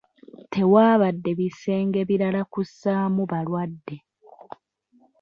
Tewaabadde bisenge birala kussaamu balwadde.